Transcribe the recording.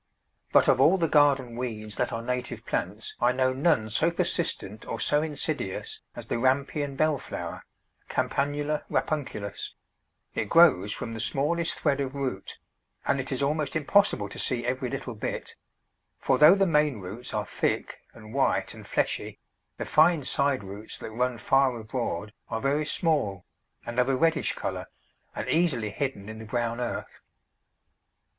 But of all the garden weeds that are native plants I know none so persistent or so insidious as the Rampion Bell flower (Campanula Rapunculus); it grows from the smallest thread of root, and it is almost impossible to see every little bit; for though the main roots are thick, and white, and fleshy, the fine side roots that run far abroad are very small, and of a reddish colour, and easily hidden in the brown earth.